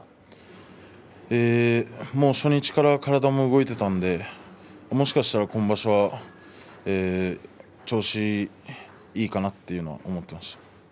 もう初日から体も動いていたのでもしかしたら今場所は調子いいかなと思ってました。